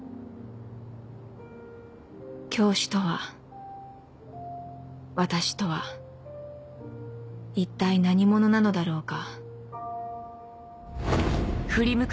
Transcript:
教師とは私とは一体何者なのだろうか